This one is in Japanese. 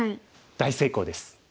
大成功です。